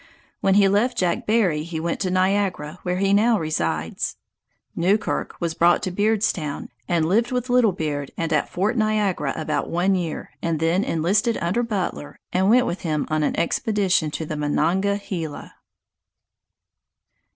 When he left Jack Berry he went to Niagara, where he now resides. Newkirk was brought to Beard's Town, and lived with Little Beard and at Fort Niagara about one year, and then enlisted under Butler, and went with him on an expedition to the Monongahela.